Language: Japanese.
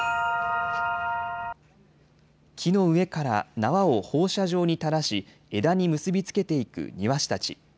木の上から縄を放射状に垂らし枝に結び付けていく庭師たち。